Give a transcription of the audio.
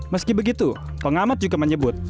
meski begitu pengamat juga menyebut